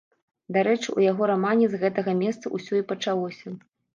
Дарэчы, у яго рамане з гэтага месца ўсё і пачалося.